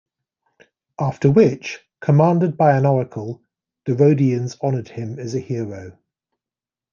After which, commanded by an oracle, the Rhodians honored him as a hero.